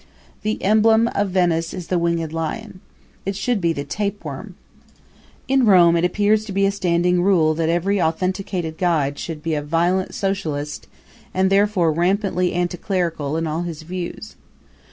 The emblem of Venice is the winged lion. It should be the tapeworm. In Rome it appears to be a standing rule that every authenticated guide shall be a violent Socialist and therefore rampingly anticlerical in all his views.